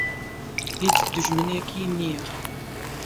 هیچ دوژمنێکی نییە.